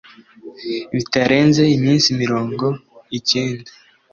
bitarenze iminsi mirongo icyenda